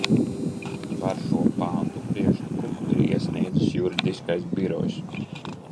Par šo pantu priekšlikumu ir iesniedzis Juridiskais birojs.